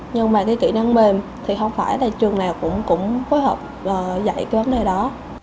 nhưng mà cái kỹ năng mềm thì không phải là trường nào cũng phối hợp và dạy cái vấn đề đó